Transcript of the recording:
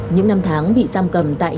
những năm tháng bị giam cầm tại nhà